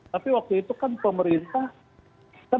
tapi waktu itu kan pemerintah